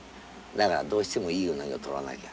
だからどうしてもいいウナギを取らなきゃ。